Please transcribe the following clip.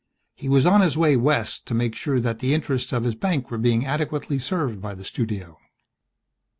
He was on his way West to make sure that the interests of his bank were being adequately served by the studio.